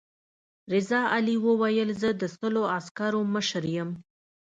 رضا علي وویل زه د سلو عسکرو مشر یم.